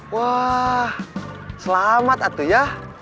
wah selamat atu ya